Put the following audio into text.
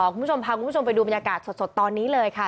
คุณผู้ชมพาคุณผู้ชมไปดูบรรยากาศสดตอนนี้เลยค่ะ